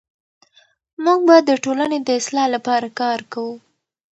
موږ به د ټولنې د اصلاح لپاره کار کوو.